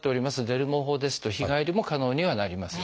デルモ法ですと日帰りも可能にはなります。